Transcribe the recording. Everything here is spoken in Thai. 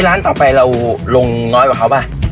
ร้านต่อไปเราลงน้อยกว่าเขาป่ะ